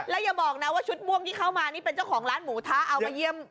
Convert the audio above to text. แล้วอย่าบอกนะว่าชุดม่วงที่เข้ามานี่เป็นเจ้าของร้านหมูทะเอามาเยี่ยม